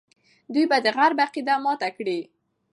دوی به د غرب عقیده ماته کړي.